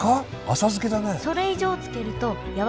浅漬けだね。